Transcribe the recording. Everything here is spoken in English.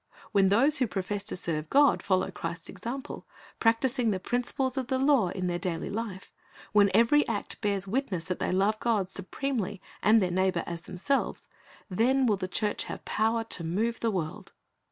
When those who profess to serve God follow Christ's example, practising the principles of the law in their daily life; when every act bears witness that they love God supremely and their neighbor as themselves, then will the church have })ower to move the world.